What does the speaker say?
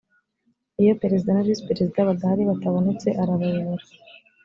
iyo perezida na visi perezida badahari batabonetse arayobora